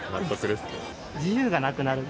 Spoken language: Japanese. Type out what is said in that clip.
自由がなくなる。